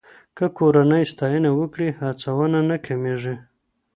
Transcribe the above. که کورنۍ ستاینه وکړي، هڅونه نه کمېږي.